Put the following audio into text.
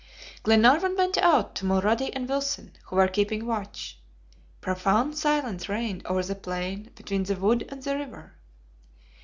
Glenarvan went out to Mulrady and Wilson, who were keeping watch. Profound silence reigned over the plain between the wood and the river.